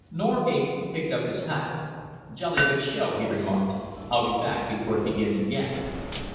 Norgate picked up his hat. "Jolly good show," he remarked. "I'll be back before it begins again."